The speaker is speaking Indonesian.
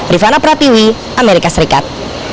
rifana pratiwi amerika serikat